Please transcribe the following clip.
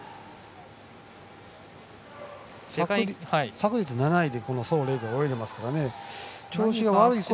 昨日、７位で宋玲玲は泳いでいましたからね。